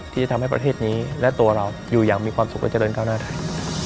ที่ทำให้ประเทศนี้และตัวเราอยู่อย่างมีความสุขและเจริญก้าวหน้าได้